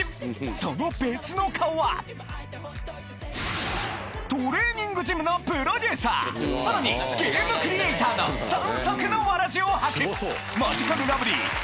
その別の顔はトレーニングジムのさらにゲームクリエイターの三足のわらじを履く！